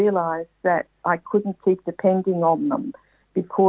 bahwa saya tidak bisa terus bergantung pada mereka